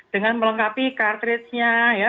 dengan melengkapi kartrisnya ya